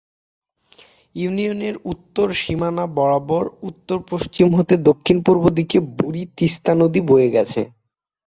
ইউনিয়নের উত্তর সীমানা বরাবর উত্তর পশ্চিম হতে দক্ষিণ পূর্ব দিকে বুড়ি তিস্তা নদী বয়ে গেছে।